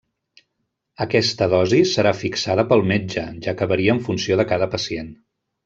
Aquesta dosi serà fixada pel metge, ja que varia en funció de cada pacient.